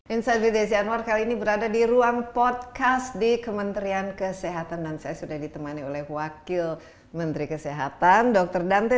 insight with desy anwar kali ini berada di ruang podcast di kementerian kesehatan dan saya sudah ditemani oleh wakil menteri kesehatan dr dantri